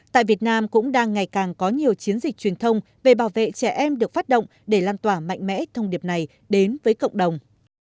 tại việt nam cũng đang ngày càng có nhiều chiến dịch truyền thông về bảo vệ trẻ em được phát động để lan tỏa mạnh mẽ thông điệp này đến với cộng đồng